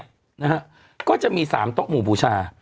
นะฮะก็จะมี๓โต๊ะหมู่บูชา